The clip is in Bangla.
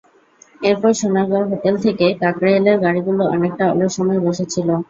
এরপর সোনারগাঁও হোটেল থেকে কাকরাইলের গাড়িগুলো অনেকটা অলস সময় বসে ছিল।